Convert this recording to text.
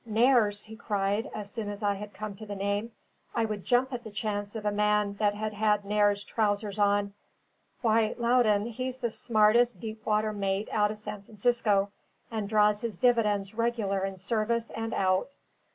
"Nares!" he cried, as soon as I had come to the name. "I would jump at the chance of a man that had had Nares's trousers on! Why, Loudon, he's the smartest deep water mate out of San Francisco, and draws his dividends regular in service and out."